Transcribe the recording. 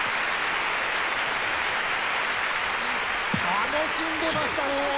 楽しんでましたね！